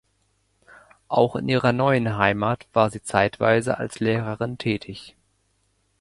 Auch in ihrer neuen Heimat war sie zeitweise als Lehrerin tätig.